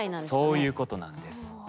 そういうことなんです。